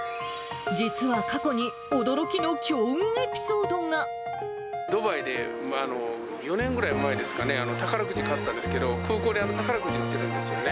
実は過去に、ドバイで４年ぐらい前ですかね、宝くじ買ったんですけど、空港で宝くじ売ってるんですよね。